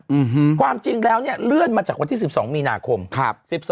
อือฮือความจริงแล้วเนี่ยเลื่อนมาจากวันที่๑๒มีนาคมครับ